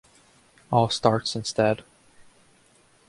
All Starts instead.